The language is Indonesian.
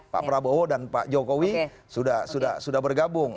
pak prabowo dan pak jokowi sudah bergabung